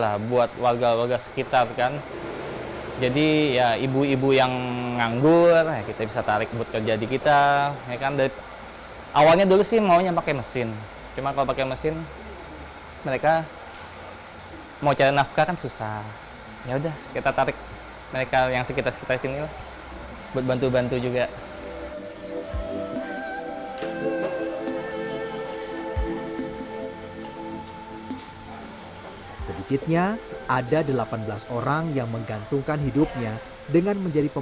hari besar borongan